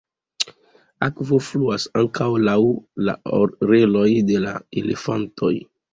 Akvo fluas ankaŭ laŭ la oreloj de la elefantoj.